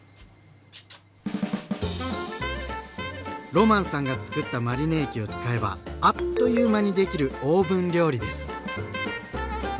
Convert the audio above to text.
ロマンさんがつくったマリネ液を使えばあっという間にできるオーブン料理です。